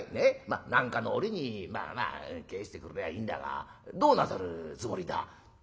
まっ何かの折にまあまあ返してくれりゃいいんだがどうなさるつもりだ？」。